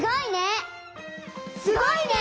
すごいね！